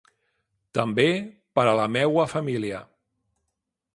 També per a la meua família.